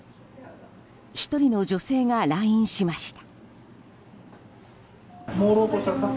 １人の女性が来院しました。